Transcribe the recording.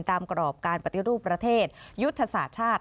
กรอบการปฏิรูปประเทศยุทธศาสตร์ชาติ